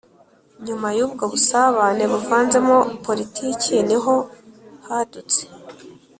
nyuma y'ubwo busabane buvanzemo politiki, ni ho hadutse